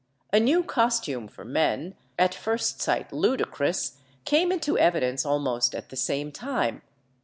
A new ' costume for men, at first sight ludicrous, came into evidence almost at the same time.